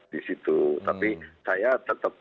di situ tapi saya tetap